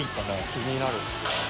気になる。